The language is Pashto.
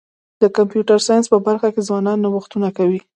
د کمپیوټر ساینس په برخه کي ځوانان نوښتونه کوي.